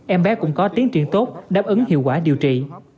em bé cũng có tiến triển tốt đáp ứng hiệu quả điều trị